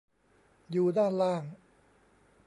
อยู่ด้านล่าง